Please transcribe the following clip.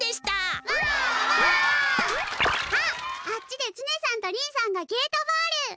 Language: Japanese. あっあっちでツネさんとりんさんがゲートボール！